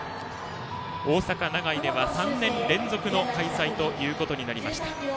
大阪・長居では３年連続の開催となりました。